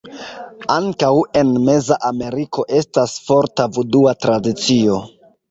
Ankaŭ en meza Ameriko estas forta vudua tradicio.